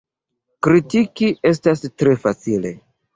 Kritiki estas tre facile.